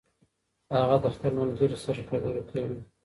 هغه له خپل ملګري سره خبرې کوي